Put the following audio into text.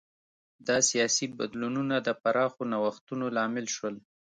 دا سیاسي بدلونونه د پراخو نوښتونو لامل شول.